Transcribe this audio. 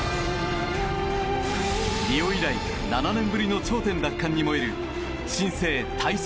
リオ以来７年ぶりの頂点奪還に燃える新生体操